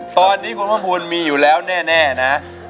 ตอนนี้คุณเพิ่มภูมิมีอยู่แล้วแน่นะ